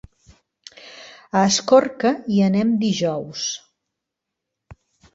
A Escorca hi anem dijous.